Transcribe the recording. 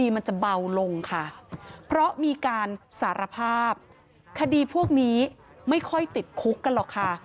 ไม่ค่อยติดคุกกันหรอกค่ะ